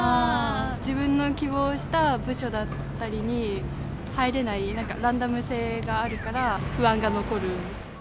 自分の希望した部署だったりに入れない、なんかランダム性があるから、不安が残る。